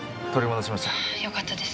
取り戻しました。